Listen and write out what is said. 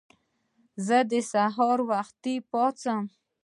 زه د سهار وختي پاڅم.